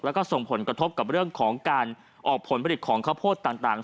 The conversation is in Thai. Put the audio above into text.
แล้วก็ส่งผลกระทบกับเรื่องของการออกผลผลิตของข้าวโพดต่าง